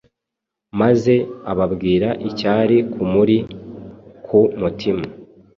maze ababwira icyari kumuri ku mutima.